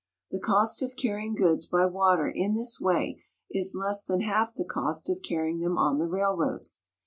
The cost of carrying goods by water in this way is less than half the cost of carrying them on the railroads.